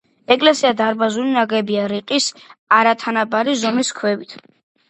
ეკლესია დარბაზულია ნაგებია რიყის, არათანაბარი ზომის ქვებით.